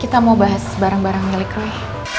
kita mau bahas barang barang milik roy